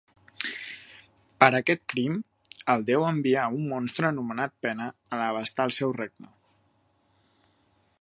Per aquest crim, el déu envià un monstre anomenat Pena a devastar el seu regne.